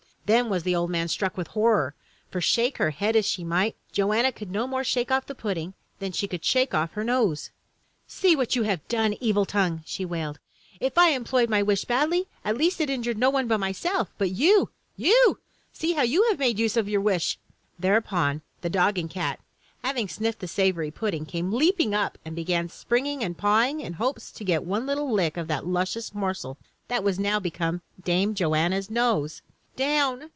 Then was the old man struck with horror, for shake her head as she might, Joanna could no more shake off the pudding than she could shake off her nose! "See what you have done, evil tongue!" she wailed. "If I employed my wish badly, at least it injured no one but myself, but you — you — see how you have made use of your wish!" Thereupon, the dog and cat, having sniffed the savory pud ding, came leaping up and began springing and pawing, in hopes to get one little lick of that luscious morsel that was now become Dame Joanna's nose! "Down!